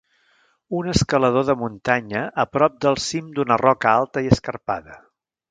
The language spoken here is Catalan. Un escalador de muntanya a prop del cim d'una roca alta i escarpada.